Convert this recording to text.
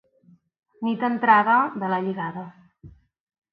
Nit entrada, vela lligada.